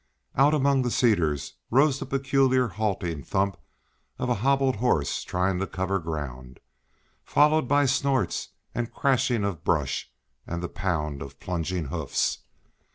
Out among the cedars rose the peculiar halting thump of a hobbled horse trying to cover ground, followed by snorts and crashings of brush and the pound of plunging hoofs.